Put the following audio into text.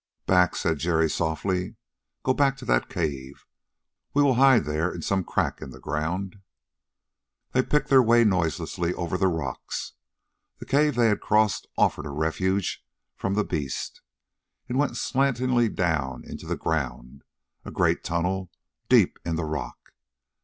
"Back," said Jerry softly. "Go back to that cave. We will hide there in some crack in the ground." They picked their way noiselessly over the rocks. The cave they had crossed offered a refuge from the beast. It went slantingly down into the ground, a great tunnel, deep in the rock.